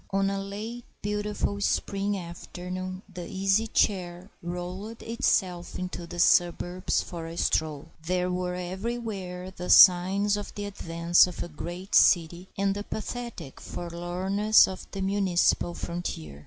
ON a late beautiful spring afternoon the Easy Chair rolled itself into the suburbs for a stroll. There were everywhere the signs of the advance of a great city and the pathetic forlornness of the municipal frontier.